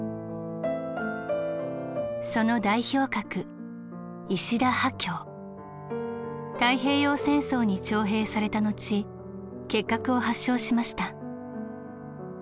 その代表格太平洋戦争に徴兵された後結核を発症しました。